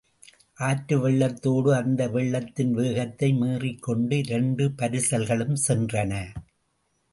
ஆற்று வெள்ளத்தோடு அந்த வெள்ளத்தின் வேகத்தை மீறிக்கொண்டு இரண்டு பரிசல்களும் சென்றன.